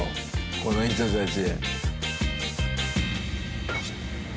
この人たち。